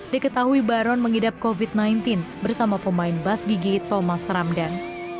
diketahui baron mengidap covid sembilan belas bersama pemain bas gigi thomas ramdan